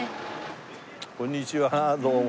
こんにちはどうも。